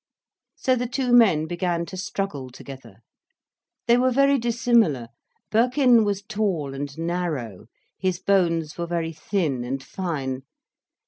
So the two men began to struggle together. They were very dissimilar. Birkin was tall and narrow, his bones were very thin and fine.